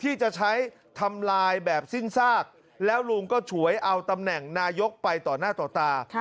ที่จะใช้ทำลายแบบสิ้นซากแล้วลุงก็ฉวยเอาตำแหน่งนายกไปต่อหน้าต่อตา